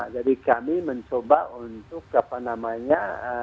jadi kami mencoba untuk apa namanya